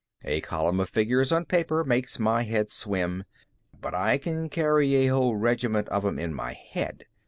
A column of figures on paper makes my head swim. But I can carry a whole regiment of 'em in my head.